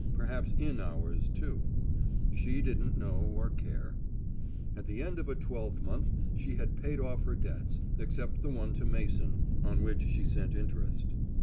Perhaps in hours, too. She didn't know or care. At the end of a twelvemonth she had paid off her debts, except the one to Mason, on which she sent interest.